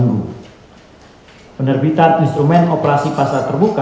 tersebut dimaksudkan dengan penerbitan instrument operasi pasar terbuka